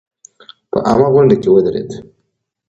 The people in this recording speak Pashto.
په عامه غونډه کې ودرېد.